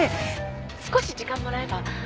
少し時間もらえば何とか。